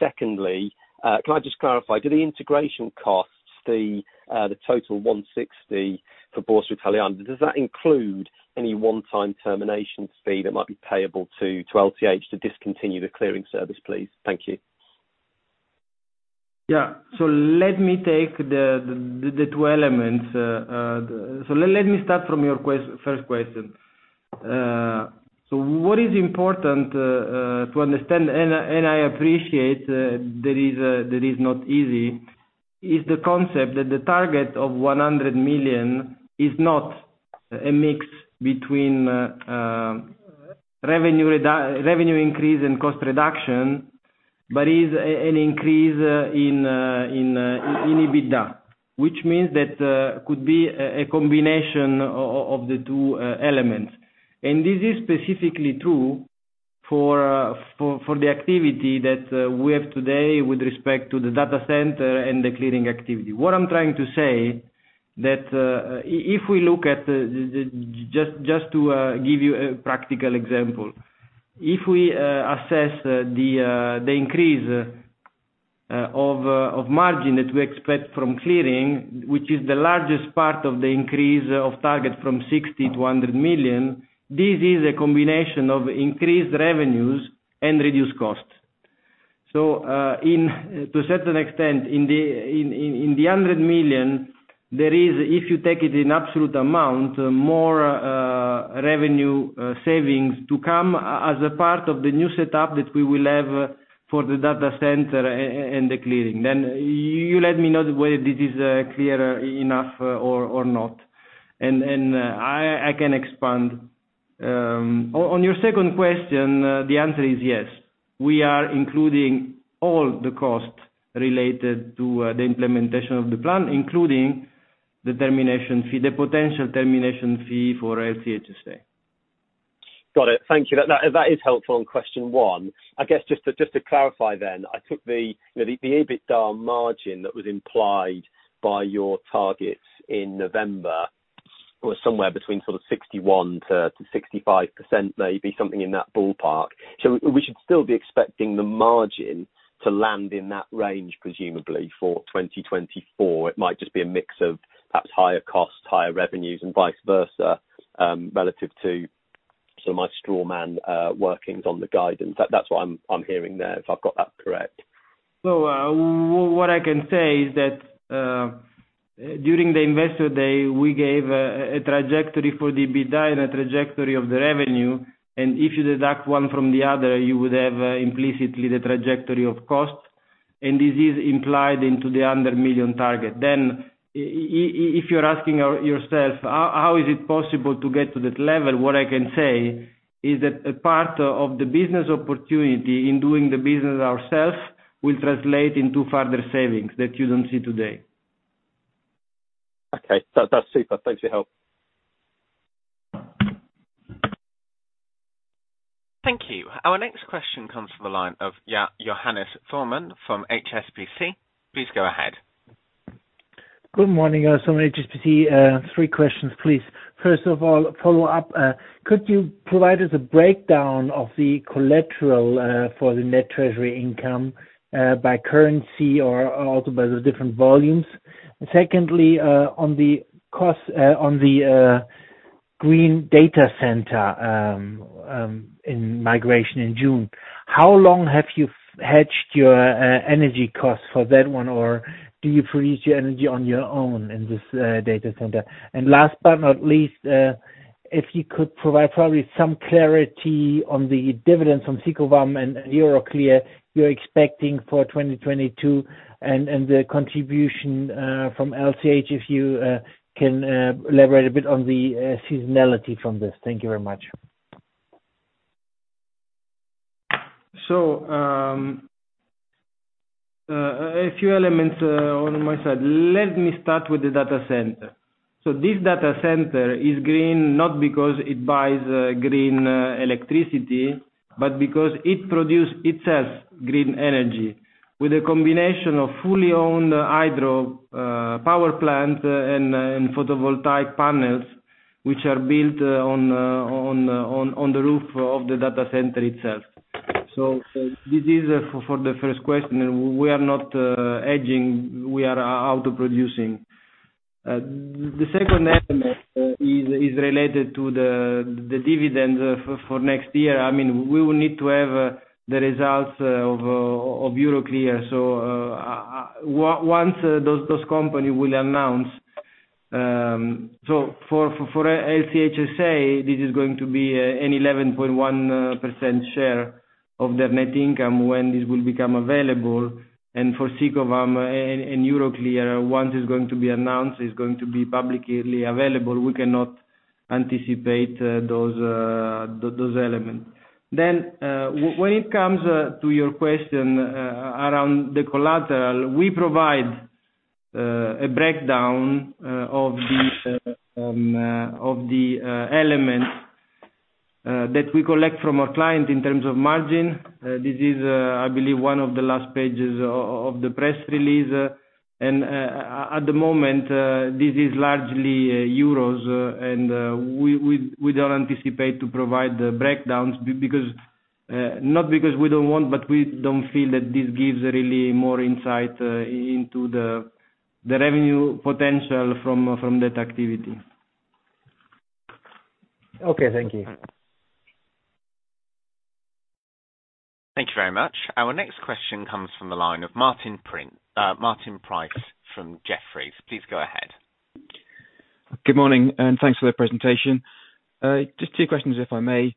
Speaker 8: Secondly, can I just clarify, do the integration costs, the total 160 million for Borsa Italiana, does that include any one-time termination fee that might be payable to LCH to discontinue the clearing service, please? Thank you.
Speaker 3: Yeah. Let me take the two elements. Let me start from your first question. What is important to understand, and I appreciate that is not easy, is the concept that the target of 100 million is not a mix between revenue increase and cost reduction, but is an increase in EBITDA. Which means that could be a combination of the two elements. This is specifically true for the activity that we have today with respect to the data center and the clearing activity. What I'm trying to say is that if we look at the. Just to give you a practical example. If we assess the increase of margin that we expect from clearing, which is the largest part of the increase of target from 60 million to 100 million, this is a combination of increased revenues and reduced costs. To a certain extent, in the 100 million, there is, if you take it in absolute amount, more revenue savings to come as a part of the new setup that we will have for the data center and the clearing. You let me know whether this is clear enough or not, and I can expand. On your second question, the answer is yes. We are including all the costs related to the implementation of the plan, including the termination fee, the potential termination fee for LCH SA.
Speaker 8: Got it. Thank you. That is helpful on question one. I guess just to clarify then, I took the, you know, the EBITDA margin that was implied by your targets in November was somewhere between sort of 61%-65%, maybe something in that ballpark. We should still be expecting the margin to land in that range, presumably for 2024. It might just be a mix of perhaps higher costs, higher revenues and vice versa, relative to sort of my straw man workings on the guidance. That's what I'm hearing there, if I've got that correct.
Speaker 3: What I can say is that during the investor day, we gave a trajectory for the EBITDA and a trajectory of the revenue, and if you deduct one from the other, you would have implicitly the trajectory of costs, and this is implied into the 100 million target. If you're asking yourself how is it possible to get to that level? What I can say is that a part of the business opportunity in doing the business ourselves will translate into further savings that you don't see today.
Speaker 8: Okay. That's super. Thanks for your help.
Speaker 1: Thank you. Our next question comes from the line of Johannes Thormann from HSBC. Please go ahead.
Speaker 9: Good morning. HSBC, three questions, please. First of all, a follow-up. Could you provide us a breakdown of the collateral for the net treasury income by currency or also by the different volumes? Secondly, on the cost on the green data center in migration in June, how long have you hedged your energy costs for that one, or do you produce your energy on your own in this data center? Last but not least, If you could provide probably some clarity on the dividends from Sicovam and Euroclear you're expecting for 2022 and the contribution from LCH, if you can elaborate a bit on the seasonality from this. Thank you very much.
Speaker 3: A few elements on my side. Let me start with the data center. This data center is green, not because it buys green electricity, but because it produce itself green energy with a combination of fully owned hydro power plant and photovoltaic panels, which are built on the roof of the data center itself. This is for the first question. We are not hedging. We are out producing. The second element is related to the dividend for next year. I mean, we will need to have the results of Euroclear. Once those companies will announce... For LCH SA this is going to be an 11.1% share of their net income when this will become available. For Sicovam and Euroclear, once it's going to be announced, it's going to be publicly available, we cannot anticipate those elements. When it comes to your question around the collateral, we provide a breakdown of the elements that we collect from our client in terms of margin. This is, I believe, one of the last pages of the press release. At the moment, this is largely euros. We don't anticipate to provide the breakdowns because, not because we don't want, but we don't feel that this gives really more insight into the revenue potential from that activity.
Speaker 9: Okay, thank you.
Speaker 1: Thank you very much. Our next question comes from the line of Martin Price from Jefferies. Please go ahead.
Speaker 10: Good morning, and thanks for the presentation. Just two questions, if I may.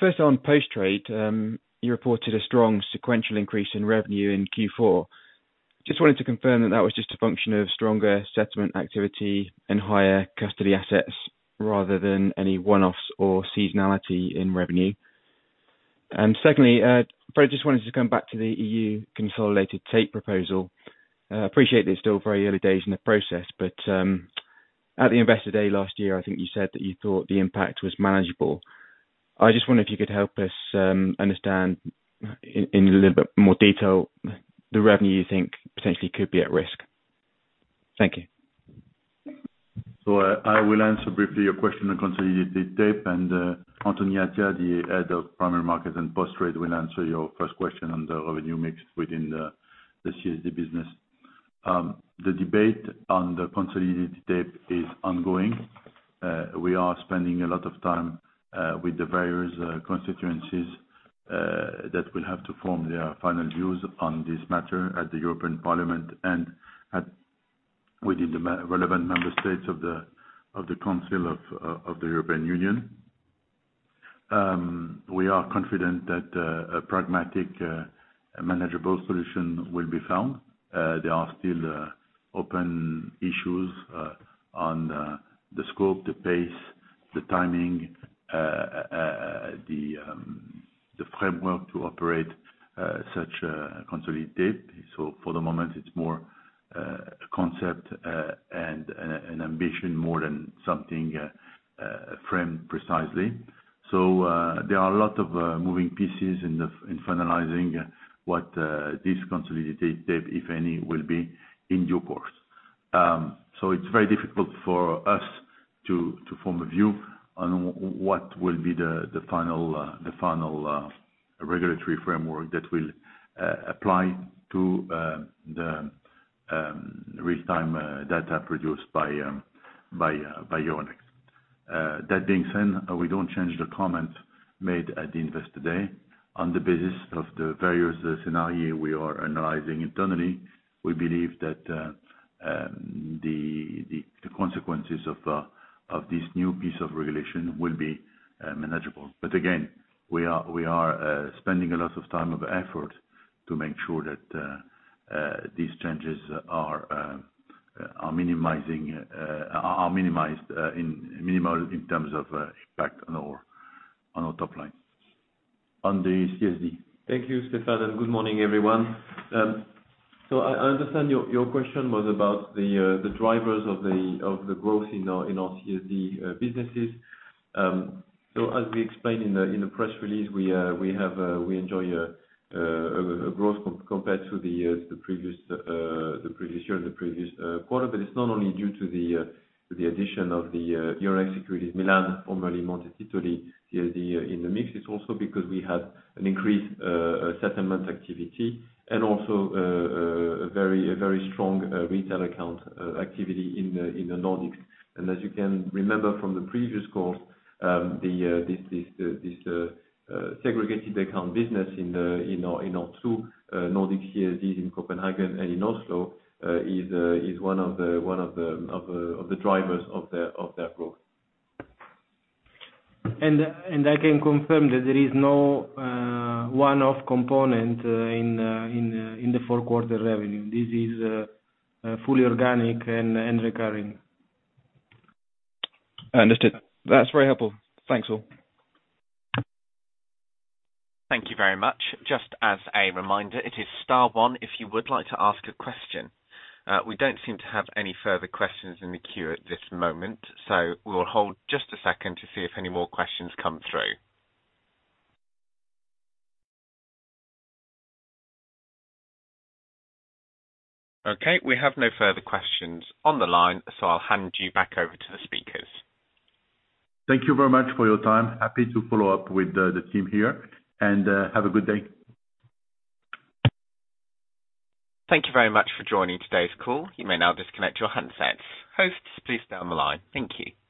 Speaker 10: First, on post-trade, you reported a strong sequential increase in revenue in Q4. Just wanted to confirm that was just a function of stronger settlement activity and higher custody assets rather than any one-offs or seasonality in revenue. Secondly, I just wanted to come back to the EU consolidated tape proposal. Appreciate that it's still very early days in the process, but at the Investor Day last year, I think you said that you thought the impact was manageable. I just wonder if you could help us understand in a little bit more detail the revenue you think potentially could be at risk. Thank you.
Speaker 2: I will answer briefly your question on consolidated tape, and Anthony Attia, the Head of Primary Markets and Post-Trade will answer your first question on the revenue mix within the CSD business. The debate on the consolidated tape is ongoing. We are spending a lot of time with the various constituencies that will have to form their final views on this matter at the European Parliament and within the relevant member states of the Council of the European Union. We are confident that a pragmatic manageable solution will be found. There are still open issues on the scope, the pace, the timing, the framework to operate such a consolidated. For the moment it's more a concept and an ambition more than something framed precisely. There are a lot of moving pieces in finalizing what this consolidated tape, if any, will be in due course. It's very difficult for us to form a view on what will be the final regulatory framework that will apply to the real-time data produced by Euronext. That being said, we don't change the comment made at the Investor Day. On the basis of the various scenario we are analyzing internally, we believe that the consequences of this new piece of regulation will be manageable. We are spending a lot of time and effort to make sure that these changes are minimal in terms of impact on our top line on the CSD.
Speaker 11: Thank you, Stéphane, and good morning, everyone. I understand your question was about the drivers of the growth in our CSD businesses. As we explained in the press release, we enjoy a growth compared to the previous year and the previous quarter. It's not only due to the addition of the Euronext Securities Milan, formerly Monte Titoli CSD in the mix, it's also because we had an increased settlement activity and also a very strong retail account activity in the Nordics. As you can remember from the previous calls, this segregated account business in our two Nordic CSDs in Copenhagen and in Oslo is one of the drivers of that growth.
Speaker 3: I can confirm that there is no one-off component in the fourth quarter revenue. This is fully organic and recurring.
Speaker 10: Understood. That's very helpful. Thanks all.
Speaker 1: Thank you very much. Just as a reminder, it is star one if you would like to ask a question. We don't seem to have any further questions in the queue at this moment, so we'll hold just a second to see if any more questions come through. Okay, we have no further questions on the line, so I'll hand you back over to the speakers.
Speaker 2: Thank you very much for your time. Happy to follow up with the team here, and have a good day.
Speaker 1: Thank you very much for joining today's call. You may now disconnect your handsets. Hosts, please stay on the line. Thank you.